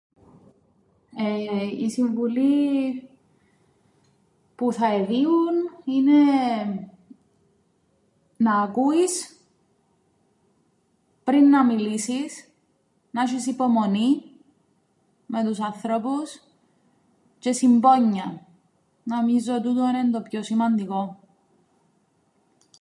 Η συμβουλή που θα εδίουν είναι να ακούεις πριν να μιλήσεις, να 'σ̆εις υπομονήν με τους ανθρώπους τžαι συμπόνιαν. Νομίζω τούτον εν' το πιο σημαντικόν.